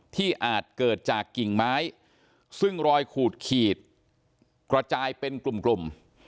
อาจเกิดจากกิ่งไม้ซึ่งรอยขูดขีดกระจายเป็นกลุ่ม